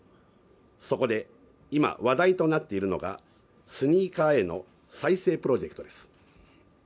そこで今、話題となっているのがスニーカーへの再生プロジェクトです。